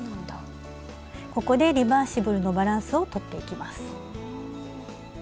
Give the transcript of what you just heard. ここでリバーシブルのバランスをとっていきます。